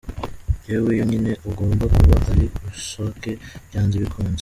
Yewe, iyo nyoni igomba kuba ari rusake byanze bikunze.